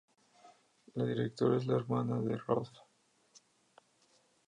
La directora es la hermana de Ralph.